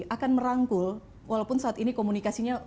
akan merangkul walaupun saat ini komunikasinya